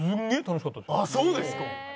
ああそうですか。